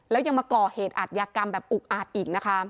แล้วยังมาก่อเหตุอาทยากรรมแบบอุกอาจอีกนะคะ